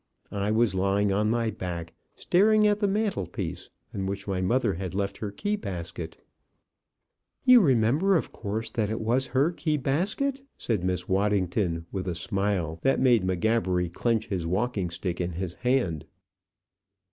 I was lying on my back, staring at the mantelpiece, on which my mother had left her key basket." "You remember, of course, that it was her key basket?" said Miss Waddington, with a smile that made M'Gabbery clench his walking stick in his hand.